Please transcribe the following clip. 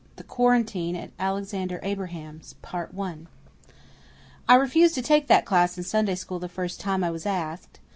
The Quarantine at Alexander Abraham's I refused to take that class in Sunday School the first time I was asked.